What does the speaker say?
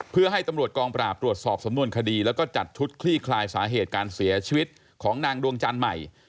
เพื่อให้ตำรวจกองปราบตรวจสอบสำนวนคดีแล้วก็จัดชุดคลี่คลายสาเหตุการเสียชีวิตของนางดวงจันทร์ใหม่